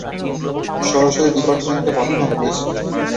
সরাসরি ডিপার্টমেন্টে পাঠানো হয়েছে।